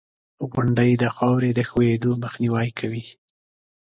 • غونډۍ د خاورې د ښویېدو مخنیوی کوي.